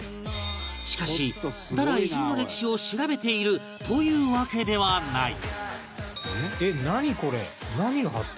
しかしただ偉人の歴史を調べているというわけではない